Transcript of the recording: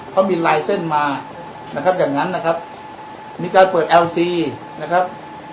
เขามีลายเส้นมานะครับอย่างนั้นนะครับมีการเปิดเอลซีนะครับ